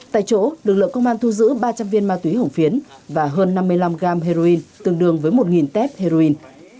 tại chỗ lực lượng công an thu giữ ba trăm linh viên ma túy hổng phiến và hơn năm mươi năm gram heroin tương đương với một tép heroin